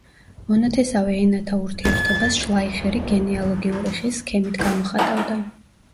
მონათესავე ენათა ურთიერთობას შლაიხერი გენეალოგიური ხის სქემით გამოხატავდა.